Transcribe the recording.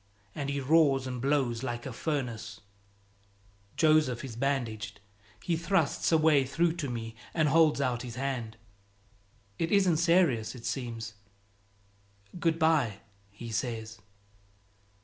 and he roars and blows like a furnace. Joseph is bandaged. He thrusts a way through to me and holds out his hand: "It isn't serious, it seems; good by," he says.